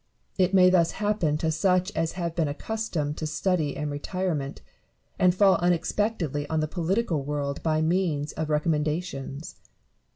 It may thus happen to such as have been accustomed to study and retirement, and fall unexpectedly on the political world by means of recommendations.